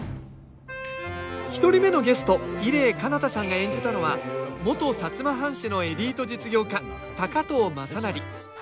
１人目のゲスト伊礼彼方さんが演じたのは元摩藩士のエリート実業家高藤雅修。